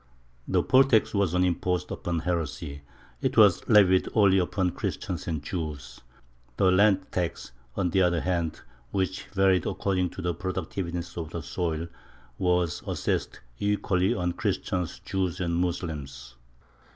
The poll tax was an impost upon heresy; it was levied only upon Christians and Jews: the land tax, on the other hand, which varied according to the productiveness of the soil, was assessed equally on Christians, Jews, and Moslems.